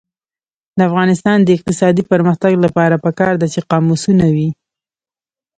د افغانستان د اقتصادي پرمختګ لپاره پکار ده چې قاموسونه وي.